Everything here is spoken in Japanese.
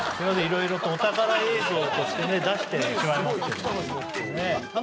色々とお宝映像としてね出してしまいますけども。